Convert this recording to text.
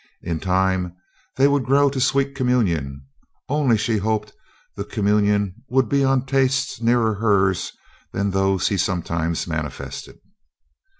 In time they would grow to sweet communion; only, she hoped the communion would be on tastes nearer hers than those he sometimes manifested.